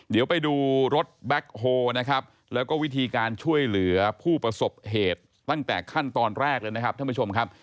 เดี๋ยวไปดูรถแบ็คโฮนะครับแล้วก็วิธีการช่วยเหลือผู้ประสบเหตุตั้งแต่ขั้นตอนแรกเลยนะครับท่านผู้ชมครับ